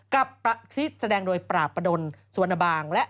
กับที่แสดงโดยปราบประดนสุวรรณบางและ